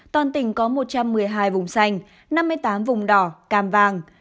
toàn tỉnh có một trăm một mươi hai vùng xanh năm mươi tám vùng đỏ cam vàng